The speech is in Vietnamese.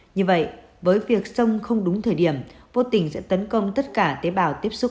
như vậy với việc sông không đúng thời điểm vô tình sẽ tấn công tất cả tế bào tiếp xúc